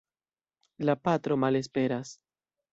La patro malesperas.